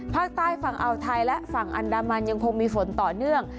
ภาคใต้ฝั่งอ่าวไทยและฝั่งอันดามันยังคงมีฝนต่อเนื่อง